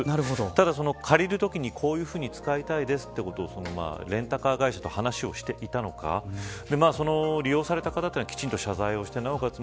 ただ借りるときに、こういうふうに使いたいですということをレンタカー会社と話をしていたのか利用された方はきちんと謝罪をしてなおかつ